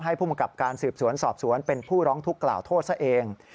ผู้มังกับการสืบสวนสอบสวนเป็นผู้ร้องทุกข์กล่าวโทษซะเอง